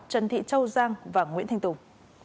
trần thị châu giang và nguyễn thành tùng